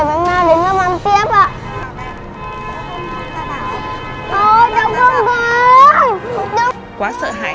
em nào lớp mấy